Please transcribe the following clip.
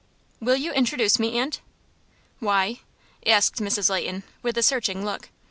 "Will you introduce me, aunt?" "Why?" asked Mrs. Leighton, with a searching look.